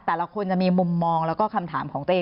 แต่ละคนจะมีมุมมองแล้วก็คำถามของตัวเอง